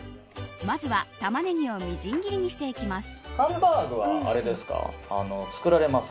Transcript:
まずはタマネギをみじん切りにしていきます。